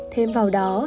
thêm vào đó